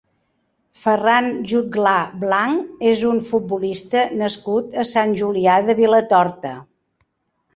Ferran Jutglà Blanch és un futbolista nascut a Sant Julià de Vilatorta.